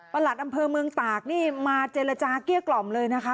หลัดอำเภอเมืองตากนี่มาเจรจาเกลี้ยกล่อมเลยนะคะ